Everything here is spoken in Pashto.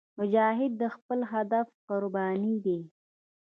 مجاهد د خپل هدف قرباني دی.